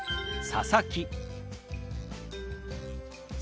「佐々木」。